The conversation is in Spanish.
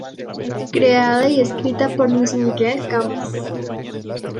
Creada y escrita por Luis Miguel Campos.